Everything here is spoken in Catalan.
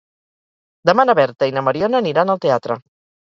Demà na Berta i na Mariona aniran al teatre.